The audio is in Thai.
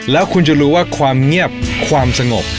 แล้วคุณจะรู้ว่าความเงียบความสงบ